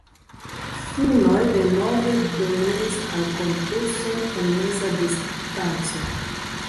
Finnoj denove dominis al konkursoj en meza distanco.